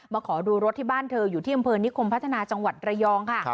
ขอดูรถที่บ้านเธออยู่ที่อำเภอนิคมพัฒนาจังหวัดระยองค่ะ